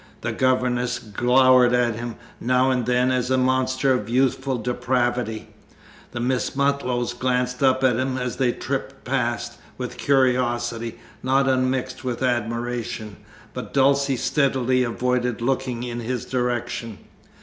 The governess glowered at him now and then as a monster of youthful depravity; the Miss Mutlows glanced up at him as they tripped past, with curiosity not unmixed with admiration, but Dulcie steadily avoided looking in his direction.